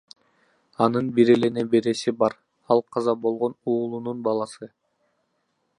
Анын бир эле небереси бар, ал каза болгон уулунун баласы.